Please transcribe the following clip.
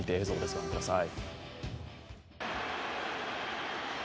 ご覧ください。